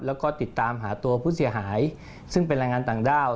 แล้วก็ติดตามหาตัวผู้เสียหายซึ่งเป็นแรงงานต่างด้าว